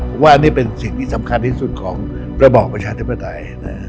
ผมว่านี่เป็นสิ่งที่สำคัญที่สุดของระบอบประชาธิปไตย